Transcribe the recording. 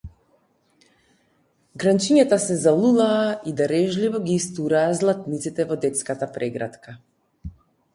Гранчињата се залулаа и дарежливо ги истураа златниците во детската прегратка.